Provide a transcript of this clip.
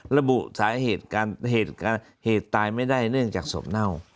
ระบุสาเหตุการเหตุตายไม่ได้เนื่องจากศพเน่า